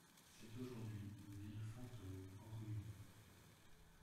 C’est aujourd’hui une ville fantôme en ruine.